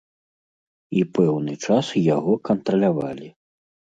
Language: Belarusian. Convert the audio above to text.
І пэўны час яго кантралявалі.